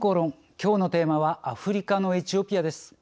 きょうのテーマはアフリカのエチオピアです。